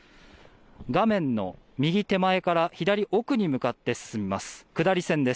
画面の右手前から左奥に向かって進みます。